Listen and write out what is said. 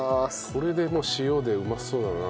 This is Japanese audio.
これで塩でうまそうだな。